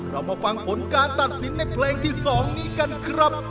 เรามาฟังผลการตัดสินในเพลงที่๒นี้กันครับ